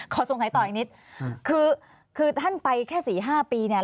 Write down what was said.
สงสัยต่ออีกนิดคือคือท่านไปแค่๔๕ปีเนี่ย